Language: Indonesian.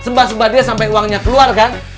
sembah sembah dia sampai uangnya keluar kan